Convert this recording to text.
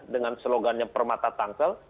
dengan slogannya permata tangsel